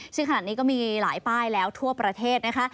ซึ่งขนาดนี้ก็มีหลายป้ายแล้วทั่วประเทศนะคะ